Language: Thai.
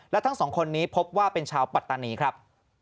และทั้งสองคนนี้พบว่าเป็นชาวปัตตานีครับ